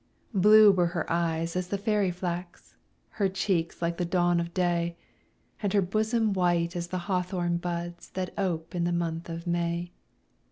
Blue were her eyes as the fairy flax, Her cheeks like the dawn of day, And her bosom white as the hawthorn buds, That ope in the month of May.